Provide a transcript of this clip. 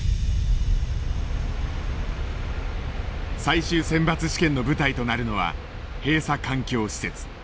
最終選抜試験の舞台となるのは閉鎖環境施設。